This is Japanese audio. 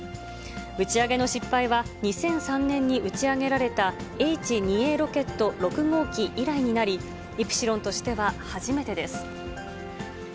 打ち上げの失敗は２００３年に打ち上げられたＨ２Ａロケット６号機以来になり、イプシロンとしては初めてです。